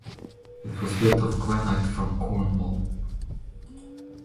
It was built of granite from Cornwall.